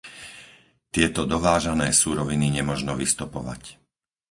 Tieto dovážané suroviny nemožno vystopovať.